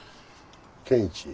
健一。